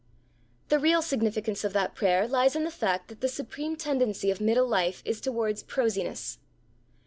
The real significance of that prayer lies in the fact that the supreme tendency of middle life is towards prosiness.